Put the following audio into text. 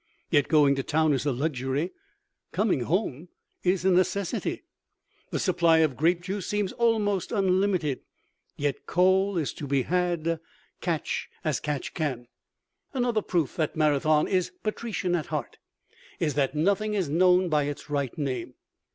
Yet going to town is a luxury, coming home is a necessity. The supply of grape juice seems almost unlimited, yet coal is to be had catch as catch can. Another proof that Marathon is patrician at heart is that nothing is known by its right name!